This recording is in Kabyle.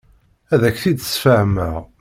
Ad ak-t-id-sfehmeɣ.